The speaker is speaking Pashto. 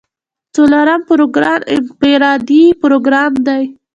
څلورم پروګرام انفرادي پروګرام دی.